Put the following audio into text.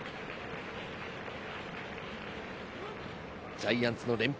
ジャイアンツの連敗